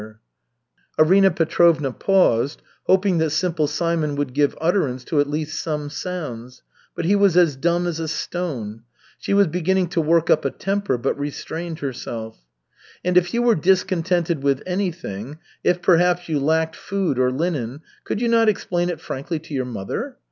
Arina Petrovna paused, hoping that Simple Simon would give utterance to at least some sounds, but he was as dumb as a stone. She was beginning to work up a temper, but restrained herself. "And if you were discontented with anything, if perhaps you lacked food or linen, could you not explain it frankly to your mother?